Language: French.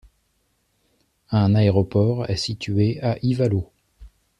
Un aéroport est situé à Ivalo.